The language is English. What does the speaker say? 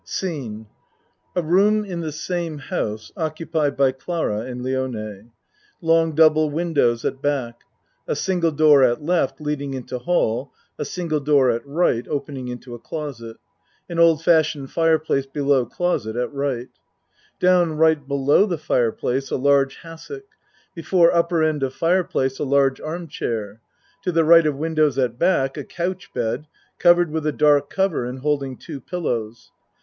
Scene A room in the same house, occupied by Clara and Lione. Long double windows at back. A single door at L. leading into hall. A single door at R. opening into a closet. An old fashioned fire place below closet at R. Down R. below the fire place a large hassock. Before upper end of fire place a large arm chair. To the right of windows at back a couch bed covered with a dark cover, and holding two pil lows.